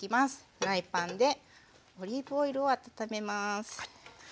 フライパンでオリーブオイルを温めます。